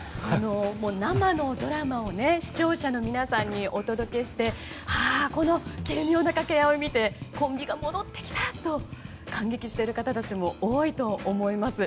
生のドラマを視聴者の皆さんにお届けしてこの軽妙な掛け合いを見てコンビが戻ってきたと感激している方たちも多いと思います。